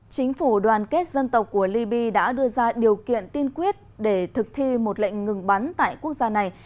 chính phủ đoàn kết dân tộc của libya đã đưa ra điều kiện tiên quyết để thực thi một lệnh ngừng bắn tại quốc gia này